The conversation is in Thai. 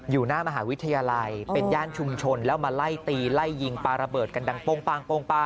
อยู่หน้ามหาวิทยาลัยเป็นย่านชุมชนแล้วมาไล่ตีไล่ยิงปลาระเบิดกันดังโป้งป้า